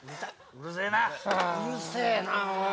うるせえな。